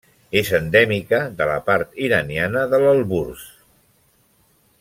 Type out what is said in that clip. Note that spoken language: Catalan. És endèmica de la part iraniana de l'Elburz.